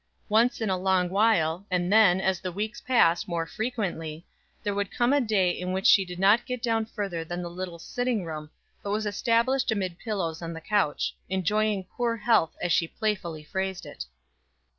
Once in a long while, and then, as the weeks passed, more frequently, there would come a day in which she did not get down further than the little sitting room, but was established amid pillows on the couch, "enjoying poor health," as she playfully phrased it.